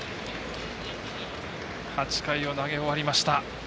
８回を投げ終わりました。